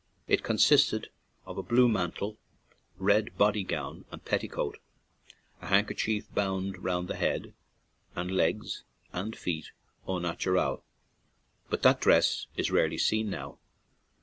It consisted of a blue mantle, red body gown and petticoat, a handkerchief bound round the head, and legs and feet au naturel; but that dress is rarely seen now.